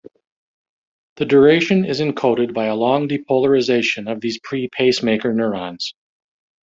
The duration is encoded by a long depolarization of these pre-pacemaker neurons.